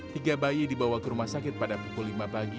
tiga bayi dibawa ke rumah sakit pada pukul lima pagi